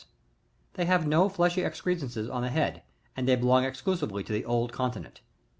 They have no fleshy excrescences on the head, and they belong exclusively to the old continent.